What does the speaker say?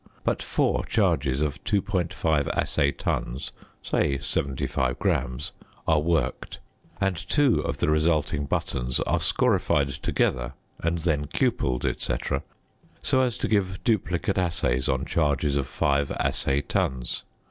But four charges of 2.5 assay tons (say 75 grams) are worked, and two of the resulting buttons are scorified together and then cupelled, etc., so as to give duplicate assays on charges of 5 assay tons.